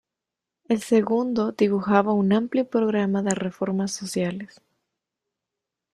El segundo dibujaba un amplio programa de reformas sociales.